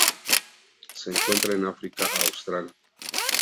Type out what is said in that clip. Se encuentra en África austral.